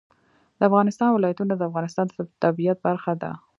د افغانستان ولايتونه د افغانستان د طبیعت برخه ده.